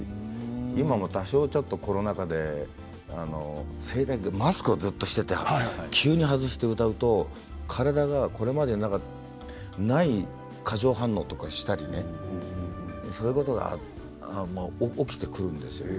今も、多少、コロナ禍でマスクをずっとしていたから急に外して歌うと体がこれまでになかった過剰反応したりとかそういうことが起きてくるんですよね。